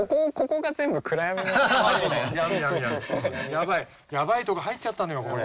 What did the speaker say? やばいやばいとこ入っちゃったのよこれ。